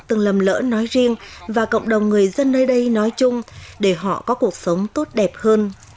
từng lầm lỡ nói riêng và cộng đồng người dân nơi đây nói chung để họ có cuộc sống tốt đẹp hơn